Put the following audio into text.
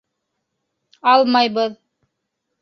— Алмайбыҙ.